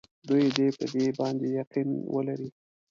دوی دې په دې باندې یقین ولري.